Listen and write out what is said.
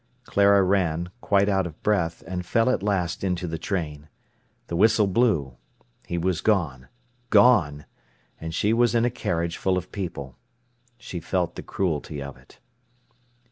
Clara ran, quite out of breath, and fell at last into the train. The whistle blew. He was gone. Gone!—and she was in a carriage full of people. She felt the cruelty of it.